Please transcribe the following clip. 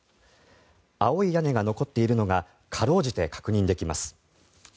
青い屋根が残っているのがかろうじて確認できます。